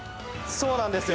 そうなんですよ。